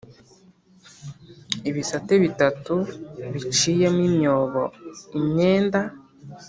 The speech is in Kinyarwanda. ibisate bitatu biciyemo imyobo Imyenda